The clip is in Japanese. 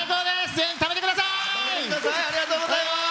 ぜひ、食べてください！